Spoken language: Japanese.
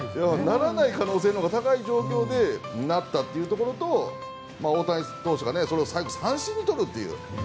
ならない可能性のほうが高いところでなったということと大谷投手が最後、三振にとるという。